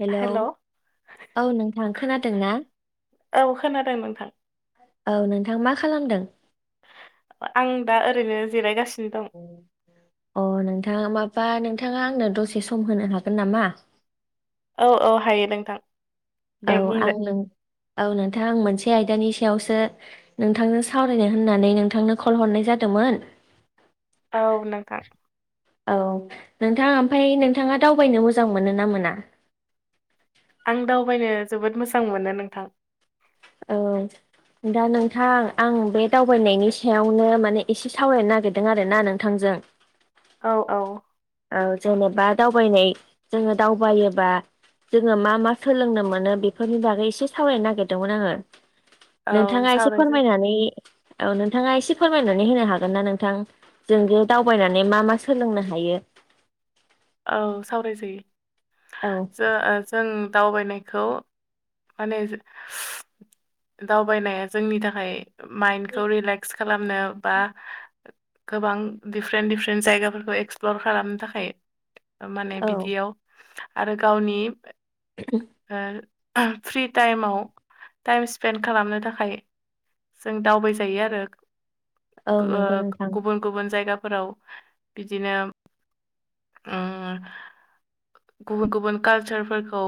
Hello hello औ औ नोंथां खोनादों ना खोनादों नोंथां औ नोंथां मा खालामदों आं दा ओरैनो जेलायगासिनो दं अ नोंथाङ माबा नोंथाङा आंनो दसे सम होनो हागोन नामा औ औ हायो नोंथां औ दे बुंदो आं नों औ नोंथां आं मोनसे आयदानि सायावसो नोंथांनो सावरायनो होननानै नोंथांनो कल हरनाय जादोंमोन औ नोंथां। औ नोंथां ओमफफ्राय नोंथाङा दावबायनो मोजां मोनो ना मोना आं दावबायनो जोबोद मोजां मोनो नोंथां औ दा नोंथां आं बे दावबायनायनि सायावनो माने एसे सावरायनो नागिरदों आर ना नोंथांजों औ औ औ जेनेबा दावबायनाय जोङो दावबायोबा जोङो मा मा सोलोंनो मोनो बेफोरनि बागै एसे सावरायनो नागिरदोंमोन आङो औ नोंथाङा एसे सावरायसै फोरमायनानै औ नोंथाङा एसे फोरमायनानै होनो हागोन ना नोंथां जों ज दावबायनानै मा मा सोलोंनो हायो औ सावरायजायो औ ज जों दावबायनायखौ माने दावबायनाया जोंनि थाखाय माइन्डखौ रिलेक्स खालामनो बा गोबां दिडिफारेन्ट दिडफारेन्ट जायगाफोरखौ एक्सप्लर खालामनो थाखाय माने औ बिदियाव आरो गावनि ओ फ्रि टाइमाव टाइम स्पेन्ड खालामनो थाखाय जों दावबाय जायो औ नंगौ गो-ओ नोंथां गुबुन गुबुन जायगाफोराव बिदिनो ओ गुबुन गुबुन कालचारफोरखौ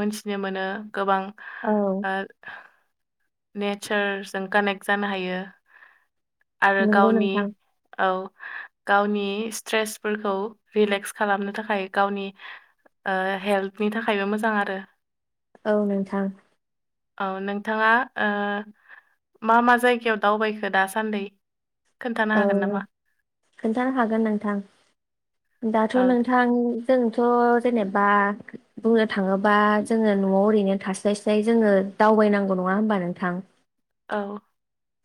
मोनथिनो मोनो गोबां औ ओ नेचारजों कानेक्ट जानो हायो आरो नंगौ गावनि नोंथां औ गावनि स्ट्रेसफोरखौ रिलेक्स खालामनो थाखाय गावनि ओ हेल्टनि थाखायबो मोजां आरो। औ नोंथां औ नोंथाङा ओ मा मा जायगायाव दावबायखो दासान्दै? खोन्थानो औ हागोन नामा? खोनथानो हागोन नोंथां दाथ' औ दे नोंथां जोंथ' जेनेबा बुंनो थाङोबा जोङो न'आव ओरैनो थास्लाय स्लाय जोङो दावबायनांगौ नङा होनबा नोंथां। औ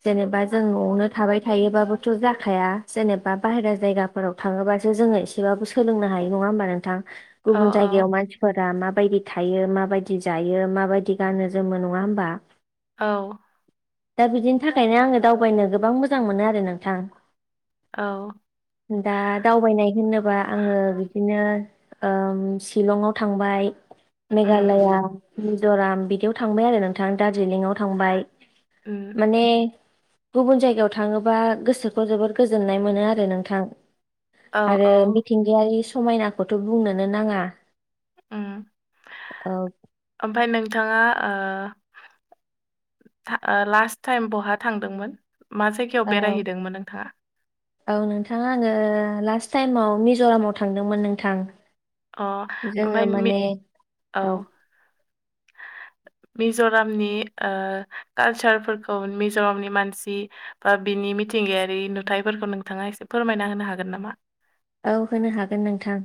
जेनेबा जों न'आवनो थाबाय थायोबाबो थ' जाखाया जेनेबा बायेरा जायगाफोराव थाङोबासो जोङो एसेबाबो सोलोंनो हायो नङा होमबा नोंथां। औ गुबुन जायगायाव औ मानसि फोर माबायदि थायो माबायदि जायो माबायदि गानो जोमो नङा होमबा। औ दा बिदिनि थाखायनो आङो दावबायनो गोबां मोजां मोनो आरो नोंथां औ दा दावबायनाय होनोबा आङो बिदिनो ओम शिलंआव थांबाय उम मेघालया मिज'राम बिदियाव थांबाय आरो नोंथां दार्जिलिंआव थांबाय। उम माने गुबुन जायगायाव थाङोबा गोसोखौ जोबोद गोजोननाय मोनो आरो नोंथां। औ आरो औ मिथिंगायारि समायनाखौथ' बुंनोनो नाङा उम औ ओमफ्राय नोंथाङा ओ लास्ट टाइम बहा थांदोंमोन मा जायगायाव औ बेरायहैदोंमोन नोंथाङा? औ नोंथाङा आङो लास्ट टाइमाव मिज'रामाव थांदोंमोन नोंथां। अ ओमफ्राय जोङो मि माने औ। मिज'रामनि ओ कालसारफोरखौ मिज'रामनि मानसि बा बिनि मिथिंगायारि नुथायाइफोरखौ नोंथाङा एसे फोरमायना होनो हागोन नामा? औ होनो हागोन नोंथां।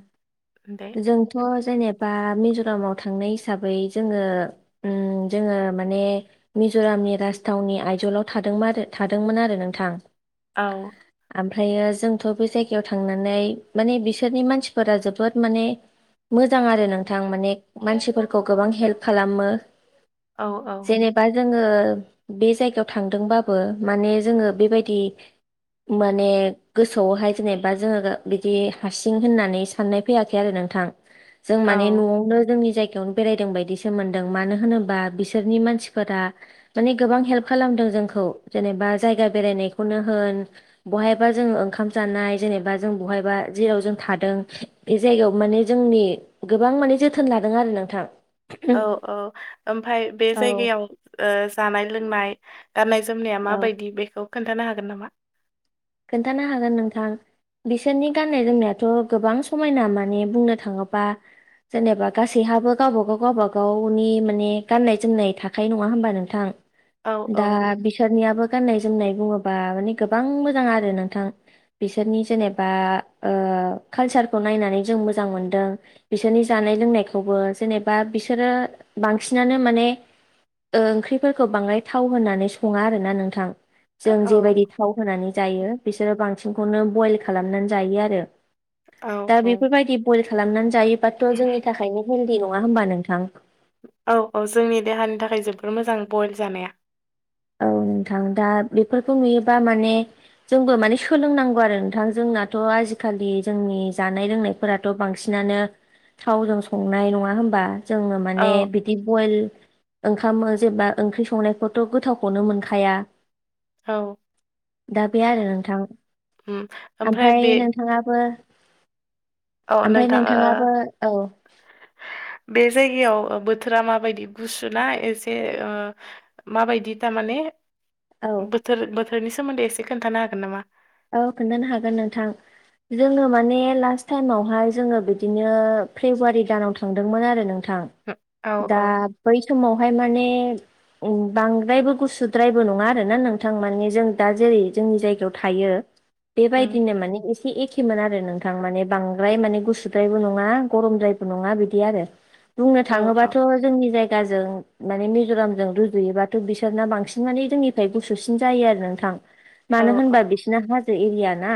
दे जोंथ' जेनेबा मिज'रामाव थांनाय हिसाबै जोङो उम जोङो माने मिज'रामनि राजथावनि आइजलाव थादोंमा-थादोंमोन आरो नोंथां। औ ओमफ्रायो जोंथ' बे जायगायाव थांनानै माने बिसोरनि मानसिफोरा जोबोद माने मोजां आरो नोंथां माने मानसिफोरखौ गोबां हेल्प खालामो। औ औ जेनेबा जोङो बे जायगायाव थांदोंबाबो माने जोङो बेबायदि माने गोसोआवहाय जेनेबा जोङोगा बिदि हारसिं होननानै साननाय फैयाखै आरो नोंथां जों माने औ न'आवनो जोंनि जायगायाव बेरायदों बायदिसो मोनदों मानो होनोबा बिसोरनि मानसिफोरा माने गोबां हेल्प खालामदों जोंखौ जेनेबा जायगा बेरायनायखौनो होन बहायबा जों ओंखाम जानाय जेने बा जों बहायबा जेराव जों थादों बे जायगायाव माने जोंनि गोबां माने जोथोन लादों आरो नोंथां औ औ ओमफाय बे औ जायगायाव जानाय लोंनाय गाननाय जोमनाया औ माबायदि बेखौ खोन्थानो हागोन नामा खोन्थानो हागोन नोंथां बिसोरनि गाननाय जोमनायाथ' गोबां समायना माने बुंनो थाङोबा जेनेबा गासैहाबो गावबा गाव गावबा गावनि माने गाननाय जोमनाय था खायो नङा होमबा नोंथां औ दा औ बिसोरनियाबो गान्नाय जोमनाय बुङोबा माने गोबां मोजां आरो नोंथां बिसोरनि जेनेबा ओ खालसारखौ नायनानै जों मोजां मोनदों बिसोरनि जानाय लोंनायखौबो जेनेबा बिसोरो बांसिनानो माने ओंख्रिफोरखौ बाङाय थाव होनानै सङा आरो ना नोंथां जों औ जेबायदि थाव होनानै जायो बिसोरो बांसिनखौनो बयेल खालामनानै जायो आरो औ दा औ बेफोरबायदि बयेल खालामनानै जायोबाथ' जोंनि थाखायनो हेलदि नङा होमबा नोंथां औ औ जोंनि देहानि थाखाय जोबोर मोजां बइल जानाया औ नोंथां दा बेफोरखौ नुयोबा माने जोंबो माने सोलोंनांगौ आरो नोंथां जोंनाथ' आजिखालि जोंनि जानाय लोंनाय फोराथ' बांसिनानो थावजों संनाय नङा होनबा जोंनो औ माने बिदि बइल ओंखाम जेबा ओंख्रि संनायखौथ' गोथाव अनो मोनखाया औ दा बे आरो नोंथां उम ओमफ्राय आमफाय बे नों थाङाबो औ आमफाय नोंथां ओ नोंथाङाबो औ बे जायगायाव बोथोरा माबायदि गुसु ना एसे ओ माबायदि तामाने औ बोथोर-बोथोरनि सोमोन्दै एसे खोन्थानो हागोन नामा? औ खोन्थानो हागोन नोंथां जोङो माने लास्ट थाइमावहाय जोङो बिदिनो फेब्रुवारि दानाव थांदोंमोन आरो नोंथां औ दा औ बै समावहाय माने उम बांद्रायबो गुसुद्रायबो नङा आरो ना नोंथां माने जों दा जेरै जोंनि जायगायाव था थायो उम बेबायदिनो माने [unintelligible] एखेमोन आरो नोंथां माने बांद्राय माने गुसुद्रायबो नङा गरमद्रायबो नङा बिदि आरो बुंनो औ थाङोबा औ थ' जोंनि जायगाजों माने मिज'रामजों रुजुयोबाथ' बिसोरना बांसिन माने जोंनि [unintelligible] गुसुसिन जायो आरो नोंथां औ मानो होनबा बिसोरना हाजो एरिया ना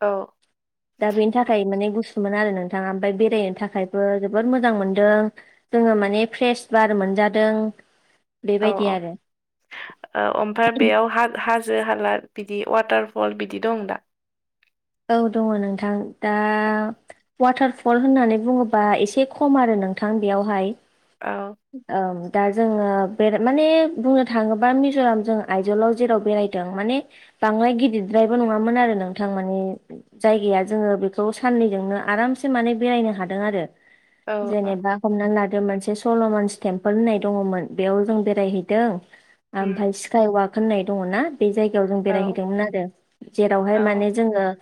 औ [inaudible] दा बेनि थाखाय माने गुसुमोन आरो नोंथाङा ओमफाय बेरायनो थाखायबो जोबोर मोजां मोनदों जोङो माने फ्रेस बार मोनजादों औ बेबायदि औ आरो ओ अमफाय बेयाव हा हाजो हाला बिदि वाटारफल बिदि दं दा औ दङ' नोंथां दा वाथारफल होननानै बुङोबा एसे खम आरो नोंथां बेयावहाय औ औ दा जोङो बेर माने बुंनो थाङोबा मिज'राम जों आयजलाव जेराव बेराय दों माने बांद्राय गिद्रायबो नङामोन आरो नोंथां माने जायगाया जोङो बेखौ साननैजोंनो आरामसे माने बेरायनो हादों आरो औ औ जेनेबा हमनानै लादों मोनसे सल'मानस टेम्पोल होननाय दङमोन बेयाव जों बेरायहैदों उम ओमफ्राय स्काइवाख होननाय दङ ना बे जायगायाव जों औ बेरायहैदोंमोन आरो जेरावहाय औ माने जोङो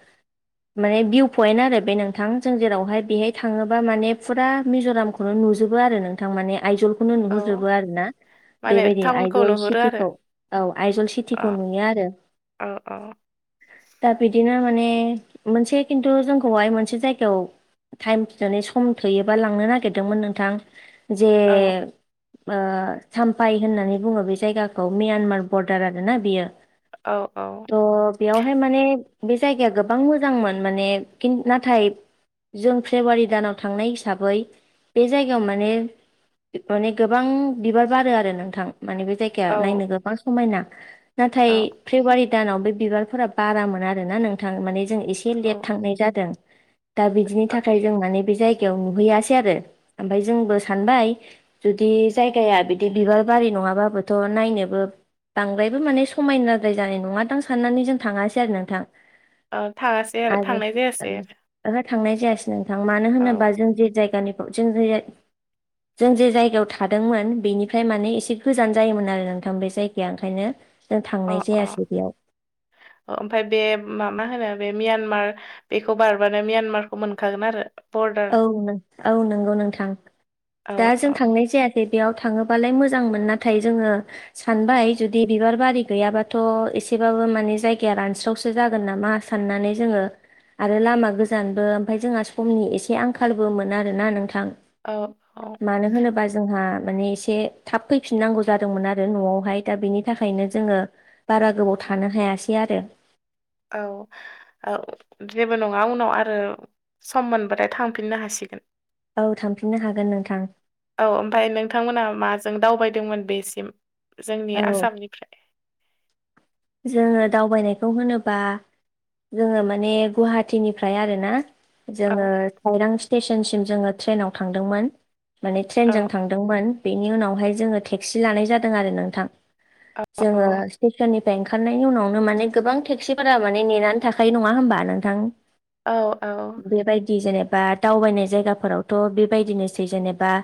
माने भिउ पइन्ट आरो बे नोंथां जों जेरावहाय बेहाय थाङोबा माने फुरा मिज'रामखौ खौनो नुजोबो आरो नोंथां माने आइजलखौनो औ नुहरजोबो आरोना माने बेबायदि टाउनखौ आइजल नुहुरो आरो चिटिखौ औ आइजल अ चिटिखौ नुयो आरो औ औ दा बिदिनो माने मोनसे खिन्थु जोंखौहाय मोनसे जायगायाव टाइम फिनानै सम थोयोबा लांनो नागिरदोंमोन नोंथां जे औ साम्फाय होननानै बुङो बे जायगाखौ म्यानमार बरडार आरोना बियो औ औ त बेयावहाय माने बे जायगाया गोबां मोजांमोन माने कि नाथाय जों फेब्रुवारि दानाव थांनाय हिसाबै बे जायगायाव माने माने गोबां बिबार बारो आरो नोंथां माने बे औ नायनो गोबां समायना औ नाथाय फेब्रुवारि दानाव बे बिबारफोरा बारा मोन आरोना नोंथां माने जों इसे लेट औ थांनाय जादों दा बिदिनि औ थाखाय जों माने बे जाय गायाव नुहैयासै आरो ओमफ्राय जोंबो सानबाय जुदि जायगाया बिदि बिबार बारि नङाबाबोथ' नायनोबो बांद्रायबो माने समायनाद्राय जानाय नङा दां साननानै जों थाङासै आरो नोंथां औ थाङासै आरो थांनाय जायासै आरो ओहो थांनाय जायासै नोंथां मानो होनोबा जों जे जायगानिफ्राव जों जों जे जायगायाव थादोंमोन बेनिफ्राय माने एसे गोजान जायोमोन आरो नोंथां बे जायगाया ओंखायनो जों अ थांनाय अ जायासै [unintelligible] ओमफ्राय बे मा होनो बे म्यानमार बेखौ बारबानो म्यानमारखौ मोनखागोन आरो बरदार औ औ नंगौ नोंथां औ दा औ जों थांनाय जाया बेयाव थाङोबालाय मोजांमोन नाथाय जोङो सानबाय जुदि बिबार बारि गैयाबाथ' एसेबाबो माने जायगाया रानस्रावसो जागोन नामा साननानै जोङो आरो लामा गोजानबो ओमफ्राय जोंहा समनि एसे एसे आंखालबो मोन आरोना नोंथां औ औ मानो होनोबा जोंहा माने एसे थाब फैफिननांगौ जादोंमोन आरो न'आवहाय दा बेनि थाखायनो जोङो बारा गोबाव थानो हायासै आरो औ औ जेबो नङा उनाव आरो सम मोनबाथाय थांफिननो हासिगोन औ थांफिननो हागोन नोंथां औ ओमफ्राय नोंथांमोनहा माजों दावबायदोंमोन बेसिम जोंनि औ आसामनिफ्राय जोङो दावबायनायखौ होनोबा जोङो माने गुवाहाटीनिफ्राय आरो ना औ जोङो साइरां स्टेसनसिम जोङो ट्रेनाव थांदोंमोन माने औ ट्रेनजों थांदों थांदोंमोन बेनि उनावहाय जोङो टेक्सि लानाय जादों आरो नोंथां औ जोङो स्टेसननिफ्राय फ्राय ओंखारनायनि उनावनो माने गोबां टेक्सिफोरा माने नेनानै थाखायो नङा होमबा नोंथां औ औ बेबायदि जेनेबा दावबायनाय जायगाफोरावथ' बेबायदिनोसै जेनेबा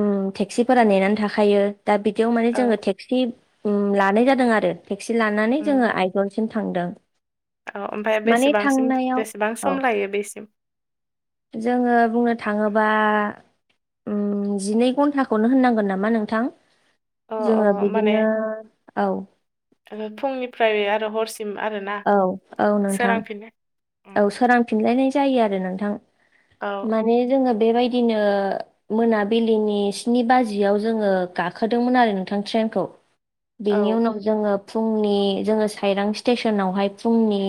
उम टेक्सिफोरा नेनानै थाखायो दा बिदियाव माने औ जोङो टेक्सि लानाय जादों आरो टेक्सि लानानै जोङो उम, आइजलसिम थांदों औ ओमफ्राय माने बेसेबांसिम थांनायाव बेसेबां औ सम लायो बेसिम? जोङो बुंनो थाङोबा उम जिनै घन्टाखौनो होननांगोन नामा नोंथां अ जोङो माने बिदिनो औ फुंनिफ्राय आरो हरसिम आरोना औ औ नोंथां सोरांफिन औ सोरांफिनलायनाय जायो आरो नोंथां औ माने जोङो बेबायदिनो मोनाबिलिनि स्नि बाजियाव जोङो गाखोदोंमोन आरो नोंथां ट्रेनखौ। औ बेनि उनाव जोङो फुंनि जोङो साइरां स्टेसनावहाय फुंनि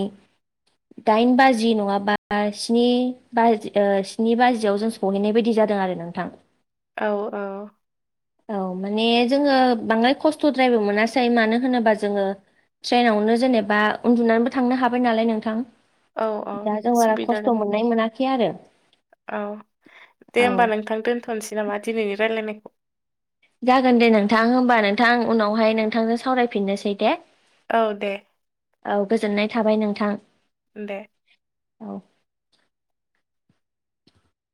दाइन बाजि नङाबा स्नि बाजि ओ स्नि बाजियाव जों सहैनाय बायदि जादों आरो नोंथां। औ औ औ माने जोङो बांद्राय खस्थ'द्रायबो मोनासै मानो होनोबा जोङो ट्रेनावनो जेनेबा उन्दुनानैबो थांनो हाबाय नालाय नोंथां। औ औ दा जों बारा सुबिदा खस्थ' गोनां मोननाय मोनाखै आरो औ दे औ होमबा नोंथां दोनथ'नोसै नामा दिनैनि रायज्लायनायखौ? जागोन दे नोंथां हबा नोंथां उनावहाय नोंथांजों सावरायफिननोसै दे। औ दे औ गोजोननाय थाबाय नोंथां। दे औ